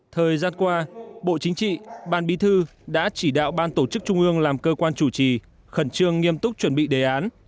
thời gian qua bộ chính trị ban bí thư đã chỉ đạo ban tổ chức trung ương làm cơ quan chủ trì khẩn trương nghiêm túc chuẩn bị đề án